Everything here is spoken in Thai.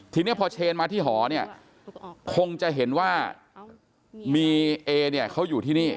ทีนี้พอเชนมาที่หอเนี่ยคงจะเห็นว่ามีเอเนี่ยเขาอยู่ที่นี่